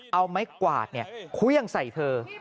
เอาไม้กวาดเครื่องใส่เธอ